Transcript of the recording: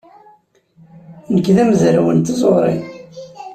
Nekk d amezraw n tẓuri.